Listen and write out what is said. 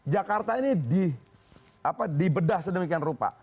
jakarta ini di bedah sedemikian rupa